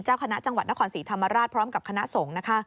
เจ้าคณะจังหวัดนครศรีธรรมราชพร้อมกับคณะสงฆ์นะคะ